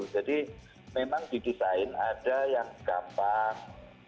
memang didesain ada yang gampang